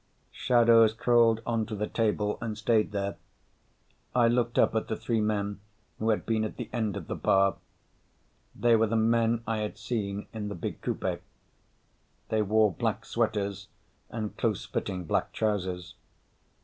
Shadows crawled onto the table and stayed there. I looked up at the three men who had been at the end of the bar. They were the men I had seen in the big coupe. They wore black sweaters and close fitting black trousers.